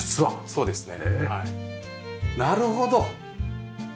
そうですね。